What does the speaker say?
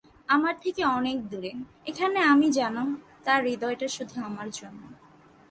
আমার থেকে অনেক দূরে, এখানে আমি জানো, তার হৃদয়টা শুধু আমার জন্য।